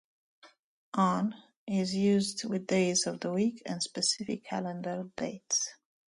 "On" is used with days of the week and specific calendar dates.